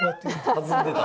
弾んでた？